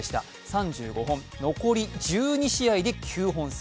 ３５本、残り１２試合で９本差。